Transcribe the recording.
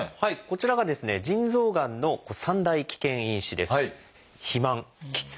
こちらがですね腎臓がんの３大危険因子です。